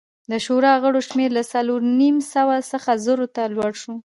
د شورا غړو شمېر له څلور نیم سوه څخه زرو ته لوړ شو